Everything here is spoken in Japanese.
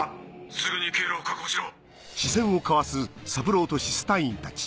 すぐに経路を確保しろ！